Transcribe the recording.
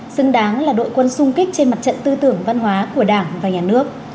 xứng đáng là đội quân sung kích trên mặt trận tư tưởng văn hóa của đảng và nhà nước